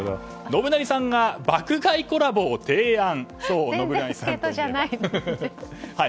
信成さんが爆買いコラボを提案。